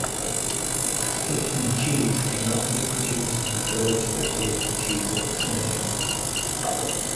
Stilton cheese cannot be produced in the village that gave the cheese its name.